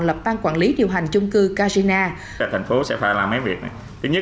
lập ban quản lý điều hành chung cư karjina